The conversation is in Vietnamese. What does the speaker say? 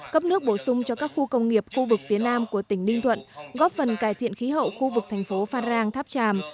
cấp nước bổ sung cho các khu công nghiệp khu vực phía nam của tỉnh ninh thuận góp phần cải thiện khí hậu khu vực thành phố phan rang tháp tràm